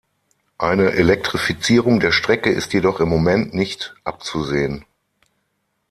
Eine Elektrifizierung der Strecke ist jedoch im Moment nicht abzusehen.